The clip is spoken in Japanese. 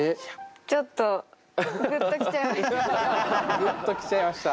ちょっとグッときちゃいました。